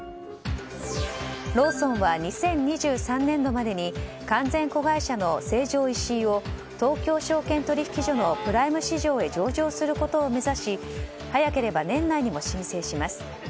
ローソンは２０２３年度までに完全子会社の成城石井を東京証券取引所のプライム市場へ上場することを目指し早ければ年内にも申請します。